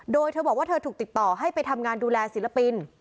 โดยเธอบอกว่าเธอถูกติดต่อให้ไปทำงานดูแลศิลปิน